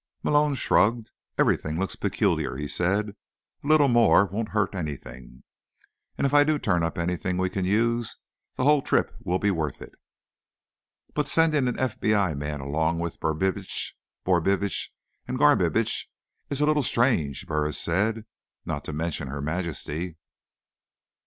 Malone shrugged. "Everything looks peculiar," he said. "A little more won't hurt anything. And if I do turn up anything we can use, the whole trip will be worth it." "But sending an FBI man along with Brubitsch, Borbitsch and Garbitsch is a little strange," Burris said. "Not to mention Her Majesty."